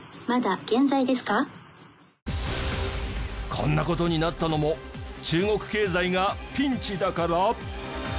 こんな事になったのも中国経済がピンチだから？